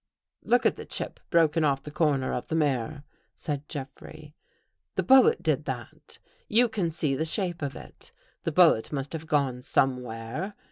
"" Look at the chip broken off the corner of the mirror," said Jeffrey. " The bullet did that. You can see the shape of it. The bullet must have gone somewhere.